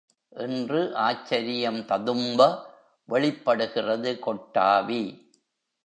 என்று ஆச்சரியம் ததும்ப வெளிப் படுகிறது கொட்டாவி.